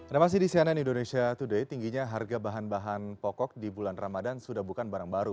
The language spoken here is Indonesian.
ada masih di cnn indonesia today tingginya harga bahan bahan pokok di bulan ramadan sudah bukan barang baru